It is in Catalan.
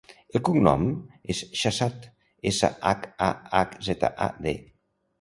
El cognom és Shahzad: essa, hac, a, hac, zeta, a, de.